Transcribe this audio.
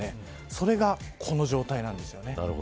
それがこの状態なんですよね。